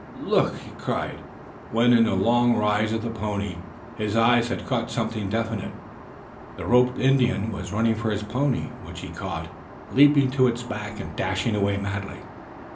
Look!" he cried, when in a long rise of the pony his eyes had caught something definite. The roped Indian was running for his pony, which he caught, leaping to its back and dashing away madly.